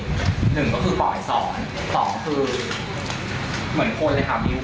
หนึ่งก็คือปล่อยสองสองคือเหมือนคนเลยค่ะมิ้ว